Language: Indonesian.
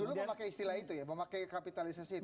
dulu memakai istilah itu ya memakai kapitalisasi itu